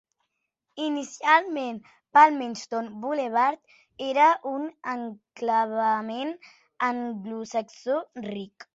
Inicialment, Palmerston Boulevard era un enclavament anglosaxó ric.